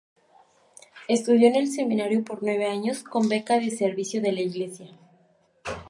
Estudió en el Seminario por nueve años con beca de servicio de la Iglesia.